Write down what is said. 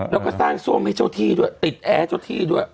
แล้วก็สร้างซ่วมให้เจ้าที่ด้วยติดแอร์เจ้าที่ด้วย